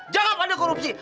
jangan pada korupsi